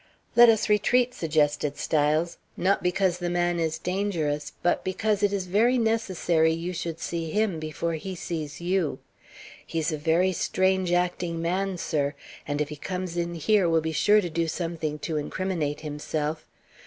"Let us retreat," suggested Styles. "Not because the man is dangerous, but because it is very necessary you should see him before he sees you. He's a very strange acting man, sir; and if he comes in here, will be sure to do something to incriminate himself.